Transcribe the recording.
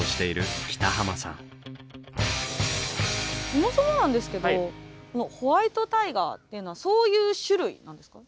そもそもなんですけどホワイトタイガーっていうのはそういう種類なんですか？